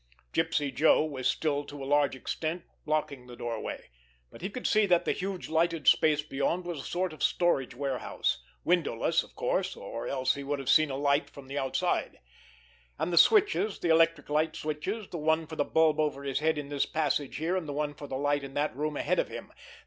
Gypsy Joe was still to a large extent blocking the doorway, but he could see that the huge, lighted space beyond was a sort of storage warehouse, windowless, of course, or else he would have seen a light from outside. And the switches, the electric light switches—the one for the bulb over his head in this passage here, and the one for the light in that room ahead of him!